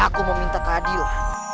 aku meminta keadilan